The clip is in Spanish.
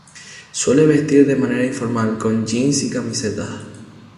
Suele vestir de manera informal, con jeans y camisetas.